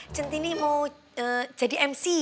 cintini mau jadi mc